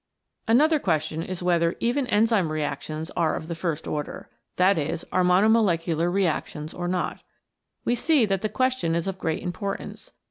Another question is whether even enzyme reactions are of the first order, that is, are mono molecular reactions or not. We see that the question is of great importance.